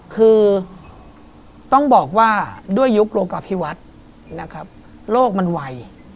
คือต้องบอกว่าด้วยยุคโลกาพิวัฒน์นะครับโลกมันไว